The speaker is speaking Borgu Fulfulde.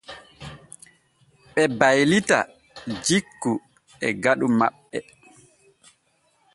Ɓe baylita jikku e faɗu maɓɓe.